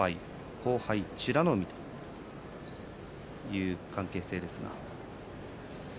後輩が美ノ海という関係です。